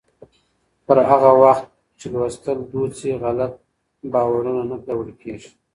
پر هغه وخت چې لوستل دود شي، غلط باورونه نه پیاوړي کېږي.